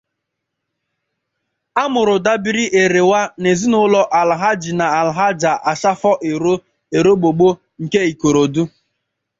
A mụrụ Dabiri Erewa n' ezinụlọ Alhaji na Alhaja Ashafa Ero Erogbogbo nke Ikorodu.